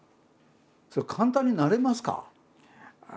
それ簡単になれますか？